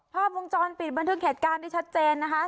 ภาพวงจรปิดบันทึกเหตุการณ์ได้ชัดเจนนะคะ